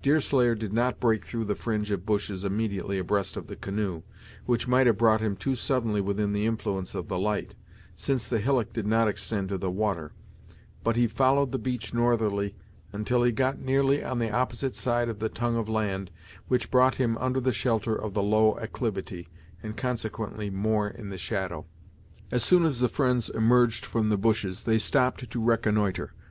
Deerslayer did not break through the fringe of bushes immediately abreast of the canoe, which might have brought him too suddenly within the influence of the light, since the hillock did not extend to the water; but he followed the beach northerly until he had got nearly on the opposite side of the tongue of land, which brought him under the shelter of the low acclivity, and consequently more in the shadow. As soon as the friends emerged from the bushes, they stopped to reconnoitre.